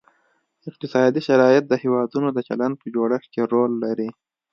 اقتصادي شرایط د هیوادونو د چلند په جوړښت کې رول لري